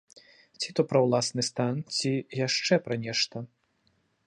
Ці то пра ўласны стан, ці яшчэ пра нешта.